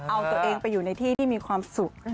เอาตัวเองไปอยู่ในที่ที่มีความสุข